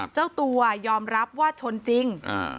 เจ้าตัวยอมรับว่าชนจริง